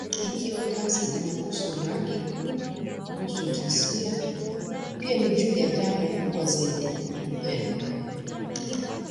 Ikiwa kazi inahusu rangi, kuhusu jinsia, pia ni juu ya jambo kubwa zaidi: upendo.